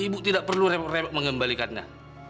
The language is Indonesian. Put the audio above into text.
ibu tidak perlu rempah rempah mengembalikannya